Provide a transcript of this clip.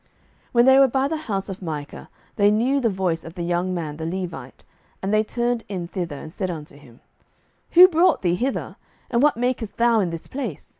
07:018:003 When they were by the house of Micah, they knew the voice of the young man the Levite: and they turned in thither, and said unto him, Who brought thee hither? and what makest thou in this place?